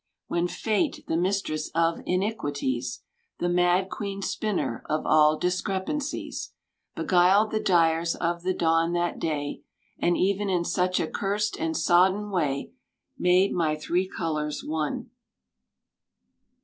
When Fate, the mistress of iniquities. The mad Queennspinner of all discrepancies, B^uiled the dyers of the dawn that day. And even in such a curst and sodden way Made my three colors one.